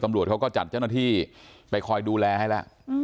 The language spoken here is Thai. ตำรวจเขาก็จัดเจ้าหน้าที่ไปคอยดูแลให้แล้ว